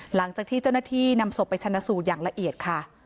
หลังจากที่เจ้าหน้าที่นำศพไปชนะสูตรอย่างละเอียดค่ะ